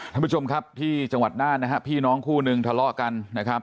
ท่านผู้ชมครับที่จังหวัดน่านนะฮะพี่น้องคู่หนึ่งทะเลาะกันนะครับ